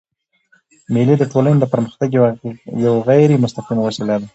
مېلې د ټولني د پرمختګ یوه غیري مستقیمه وسیله ده.